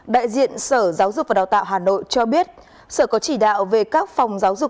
đại diện sở giáo dục và đào tạo hà nội cho biết sở có chỉ đạo về các phòng giáo dục